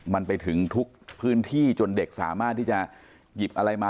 มันไปถึงทุกพื้นที่จนเด็กสามารถที่จะหยิบอะไรมา